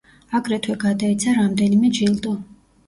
აგრეთვე გადაეცა რამდენიმე ჯილდო.